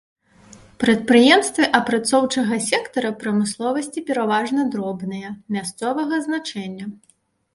Прадпрыемствы апрацоўчага сектара прамысловасці пераважна дробныя, мясцовага значэння.